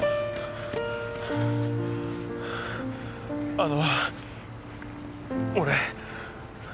あの俺。